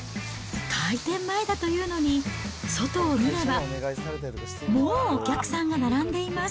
開店前だというのに、外を見れば、もうお客さんが並んでいます。